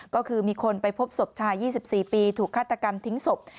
ก็คือมีคนไปพบศพชาย๒๔ปีถูกฆาตกรรมทิ้งศพ